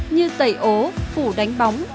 như tẩy ố phủ đánh bóng